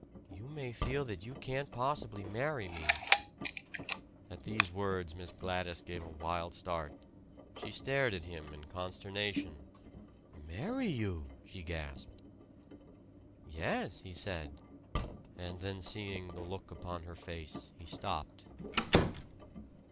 You may feel that you can't possibly marry me." At these words Miss Gladys gave a wild start. She stared at him in consternation. "Marry you!" she gasped. "Yes," he said; and then, seeing the look upon her face, he stopped.